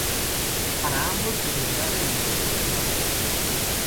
Para ambos se deberá realizar una prueba de admisión.